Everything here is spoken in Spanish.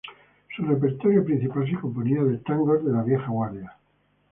Su repertorio principal se componía de tangos de la vieja guardia.